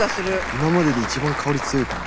今までで一番香り強いかも。